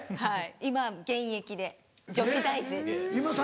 今現役で女子大生です。